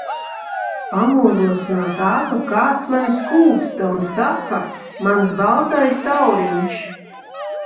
Pamodos no tā, ka kāds mani skūpsta un saka: mans baltais tauriņš.